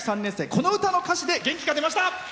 この歌の歌詞で元気が出ました。